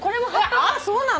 「あっそうなの？」